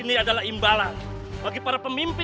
biar saya saja mereka pergi